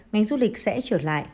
ngành du lịch sẽ trở lại